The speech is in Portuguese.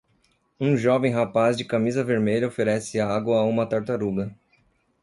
Um jovem rapaz de camisa vermelha oferece água a uma tartaruga.